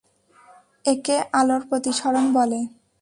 একে আলোর প্রতিসরণ বলে।